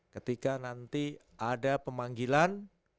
ketika nanti ada pemanggilan